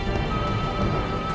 itu bahagian korea dan luar negara